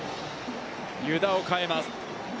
湯田を代えます。